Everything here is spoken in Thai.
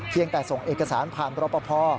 เพียงแต่ส่งเอกสารผ่านรับประพ่อ